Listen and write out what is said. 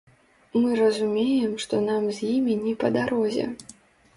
Мы разумеем, што нам з імі не па дарозе.